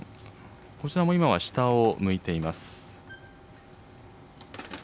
こちらも今は下を向いています。